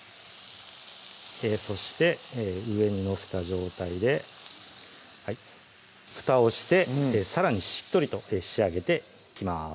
そして上に載せた状態でふたをしてさらにしっとりと仕上げていきます